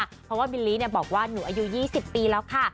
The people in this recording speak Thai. เพราะว่าบิลลี่บอกว่าหนูอายุ๒๐ปีแล้วค่ะ